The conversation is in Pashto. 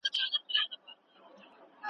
په سړو اوبو د ډنډ کي لمبېدلې ,